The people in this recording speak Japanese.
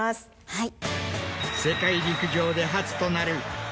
はい。